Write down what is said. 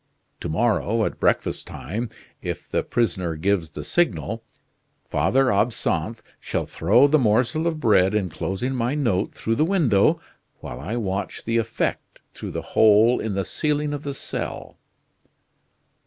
To morrow, at breakfast time, if the prisoner gives the signal, Father Absinthe shall throw the morsel of bread enclosing my note through the window while I watch the effect through the hole in the ceiling of the cell."